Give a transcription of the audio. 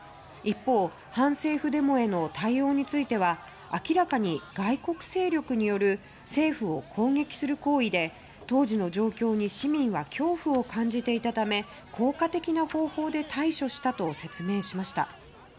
一方、反政府デモへの対応については明らかに外国勢力による政府を攻撃する行為で当時の状況に市民は恐怖を感じていたため効果的な方法で対処したと説明しました。